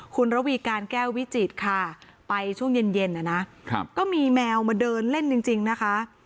คุณระวีการแก้ววิจิตรค่ะไปช่วงเย็นนะก็มีแมวมาเดินเล่นจริงนะคะ